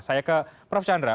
saya ke prof chandra